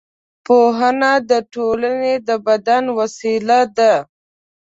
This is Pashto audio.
پوهنه د ټولنې د بدلون وسیله ده